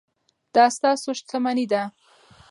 دا ستاسو شتمني ده.